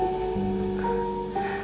kembali sen kentucky